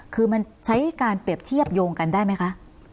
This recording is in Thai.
คือมันใช้การเปรียบเทียบโยงกันได้ไหมคะ